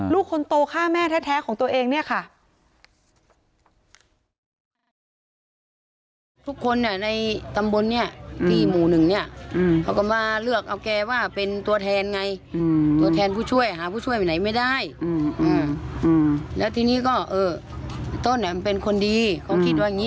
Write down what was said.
ลูกคนโตฆ่าแม่แท้ของตัวเอง